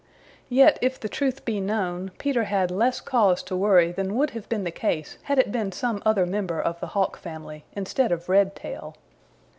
Yet if the truth be known, Peter had less cause to worry than would have been the case had it been some other member of the Hawk family instead of Redtail.